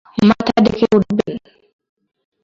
মাথা দেখে উঠবেন।